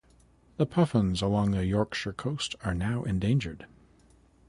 The puffins along the Yorkshire coast are now endangered.